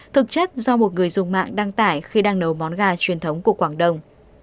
thực chất do một người dùng mạng đăng tải khi đang nấu món gà truyền thống của quảng đông